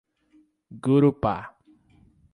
Gurupá